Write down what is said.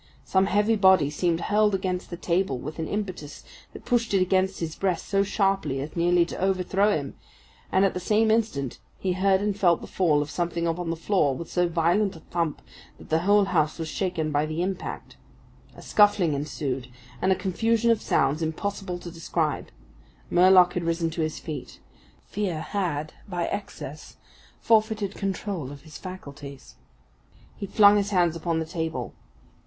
Some heavy body seemed hurled against the table with an impetus that pushed it against his breast so sharply as nearly to overthrow him, and at the same instant he heard and felt the fall of something upon the floor with so violent a thump that the whole house was shaken by the impact. A scuffling ensued, and a confusion of sounds impossible to describe. Murlock had risen to his feet. Fear had by excess forfeited control of his faculties. He flung his hands upon the table.